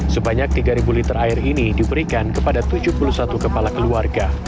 sebanyak tiga liter air ini diberikan kepada tujuh puluh satu kepala keluarga